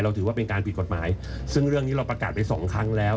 ถือว่าเป็นการผิดกฎหมายซึ่งเรื่องนี้เราประกาศไปสองครั้งแล้ว